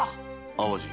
淡路。